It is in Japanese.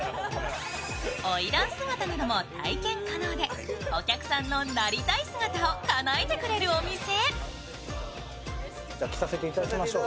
おいらん姿なども体験可能でお客さんのなりたい姿をかなえてくれるお店。